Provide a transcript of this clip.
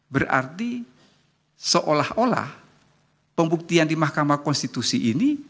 berarti seolah olah pembuktian di mahkamah konstitusi ini